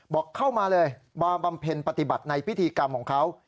บอกเข้ามาเลยมาบำเพ็ญปฏิบัติในพิธีกรรมของเขา